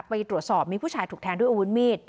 ไปตรวจสอบมีผู้ชายถูกแทงด้วยอาวุธมีด